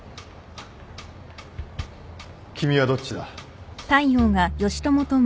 君はどっちだ？